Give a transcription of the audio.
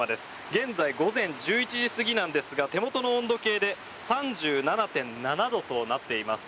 現在午前１１時過ぎなんですが手元の温度計で３７．７度となっています。